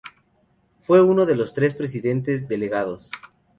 Fue uno de los tres presidentes delegados.